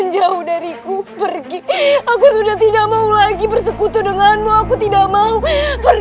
jangan sampai kabur